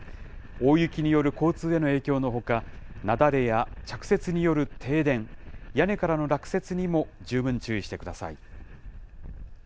大雪による交通への影響のほか、雪崩や着雪による停電、屋根からの落雪にも十分注意してください。